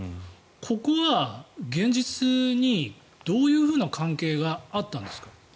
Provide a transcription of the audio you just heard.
ここは現実にどういうふうな関係があったんですか？